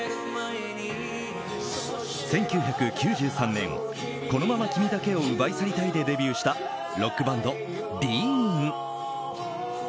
１９９３年「このまま君だけを奪い去りたい」でデビューしたロックバンドＤＥＥＮ。